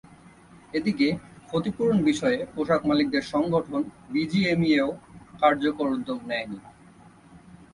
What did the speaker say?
এদিকে, ক্ষতিপূরণ বিষয়ে পোশাকমালিকদের সংগঠন বিজিএমইএও কার্যকর উদ্যোগ নেয়নি।